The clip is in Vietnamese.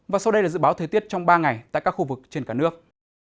và sau đây là dự báo thời tiết trong ba ngày tại các khu vực trên cả nước